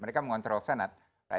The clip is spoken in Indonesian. mereka mengontrol senate